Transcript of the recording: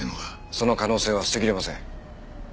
その可能性は捨て切れません。